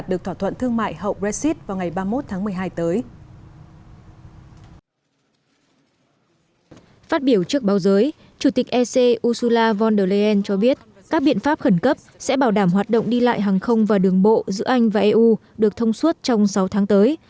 đồng minh ec ursula von der leyen cho biết các biện pháp khẩn cấp sẽ bảo đảm hoạt động đi lại hàng không và đường bộ giữa anh và eu được thông suốt trong sáu tháng tới